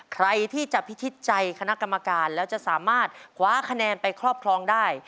ใครที่จะพิชิตใจคณะกรรมการแล้วจะสามารถคว้าคะแนนไปครอบครองได้